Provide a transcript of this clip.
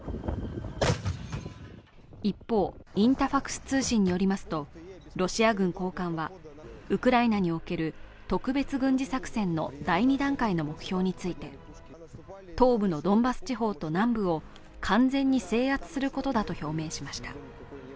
一方、インタファクス通信によりますとロシア軍高官はウクライナにおける特別軍事作戦の第２段階の目標について東部のドンバス地方と南部を完全に制圧することだと表明しました。